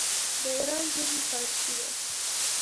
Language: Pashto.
د ایران ژبې فارسي ده.